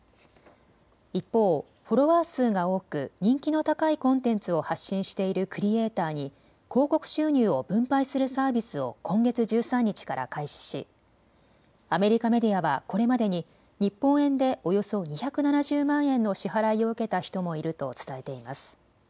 一方、フォロワー数が多く人気の高いコンテンツを発信しているクリエーターに広告収入を分配するサービスを今月１３日から開始しアメリカメディアはこれまでに日本円でおよそ２７０万円の支払いを受けた人もいると伝えています。